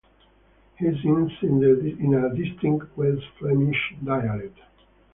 He sings in a distinct West Flemish dialect.